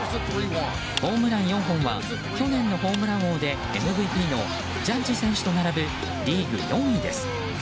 ホームラン４本は去年のホームラン王でＭＶＰのジャッジ選手と並ぶリーグ４位です。